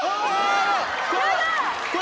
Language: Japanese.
やだ！